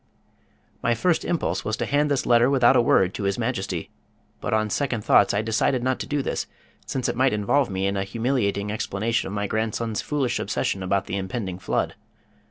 My first impulse was to hand this letter without a word to His Majesty, but on second thoughts I decided not to do this, since it might involve me in a humiliating explanation of my grandson's foolish obsession about the impending flood.